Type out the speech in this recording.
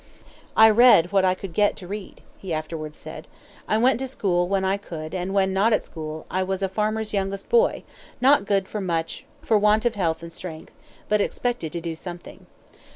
"I read what I could get to read," he afterwards said; "I went to school when I could, and when not at school, was a farmer's youngest boy, not good for much for want of health and strength, but expected to do something."